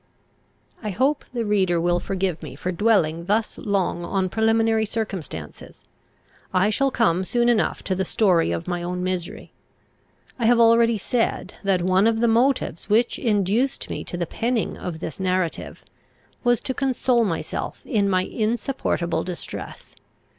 I hope the reader will forgive me for dwelling thus long on preliminary circumstances. I shall come soon enough to the story of my own misery. I have already said, that one of the motives which induced me to the penning of this narrative, was to console myself in my insupportable distress.